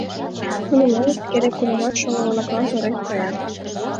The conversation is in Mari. Нунын ойышт керек-кунамат шоҥго-влаклан тореш кая.